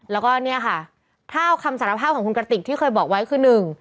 แล้วก็เนี่ยค่ะถ้าคำสารภาพของคุณกระติกที่เคยบอกไว้คือหนึ่ง